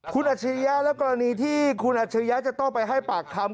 คุณอัจฉริยะและกรณีที่คุณอัจฉริยะจะต้องไปให้ปากคำ